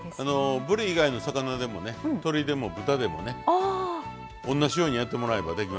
ぶり以外の魚でもね鶏でも豚でもね同じようにやってもらえばできますよ。